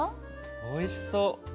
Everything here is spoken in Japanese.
おいしそう。